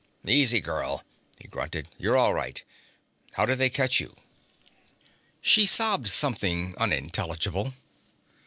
'Easy, girl,' he grunted. 'You're all right. How did they catch you?' She sobbed something unintelligible.